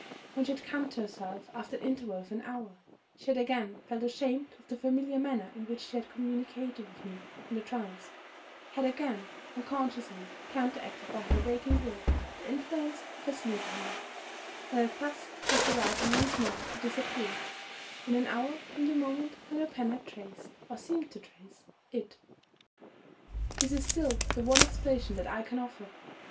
When she had come to herself, after an interval of an hour, she had again felt ashamed of the familiar manner in which she had communicated with me in the trance had again unconsciously counteracted by her waking will the influence of her sleeping will; and had thus caused the writing once more to disappear, in an hour from the moment when the pen had traced (or seemed to trace) it. This is still the one explanation that I can offer.